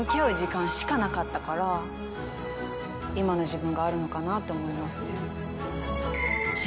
から今の自分があるのかなって思いますね。